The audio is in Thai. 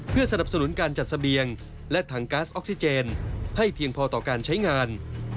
เพื่อสนับสนุนการจัดเสบียงและถังก๊าซออกซิเจนให้เพียงพอต่อการใช้งาน